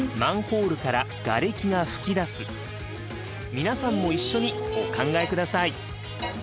皆さんも一緒にお考えください。